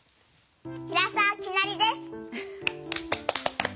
ひらさわきなりです。